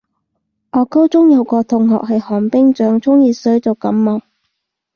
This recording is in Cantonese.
我高中有個同學係寒冰掌，沖熱水就感冒